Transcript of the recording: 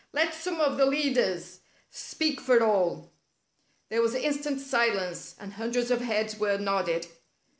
Let some of the leaders speak for all." There was instant silence, and hundreds of heads were nodded.